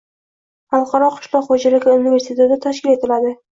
Xalqaro qishloq xo‘jaligi universiteti tashkil etiladi.